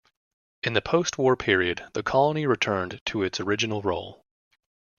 In the post war period the colony returned to its original role.